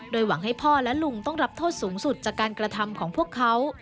หวังให้พ่อและลุงต้องรับโทษสูงสุดจากการกระทำของพวกเขา